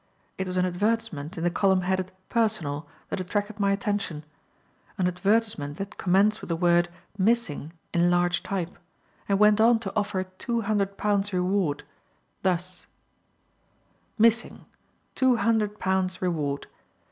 It was an advertisement in the column headed "Personal" that attracted my attention, an advertisement that commenced with the word "Missing," in large type, and went on to offer Two Hundred Pounds Reward: thus: "MISSING. TWO HUNDRED POUNDS REWARD.